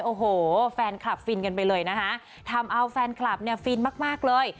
โอโหแฟนคลับฟินกันไปเลยนะคะถ้ำเอาแฟนคลับฟินมากเลย